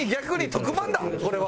特番だこれは。